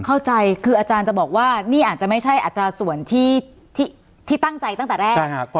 เข้าใจคืออาจารย์จะบอกว่านี่อาจจะไม่ใช่อัตราส่วนที่ตั้งใจตั้งแต่แรก